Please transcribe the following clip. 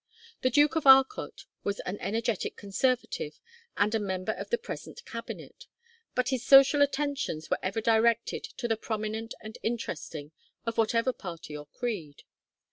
The Duke of Arcot was an energetic Conservative and a member of the present cabinet, but his social attentions were ever directed to the prominent and interesting of whatever party or creed.